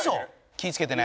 気ぃつけてね。